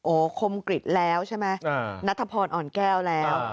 โอ้โหคมกริจแล้วใช่ไหมนัทพรอ่อนแก้วแล้ว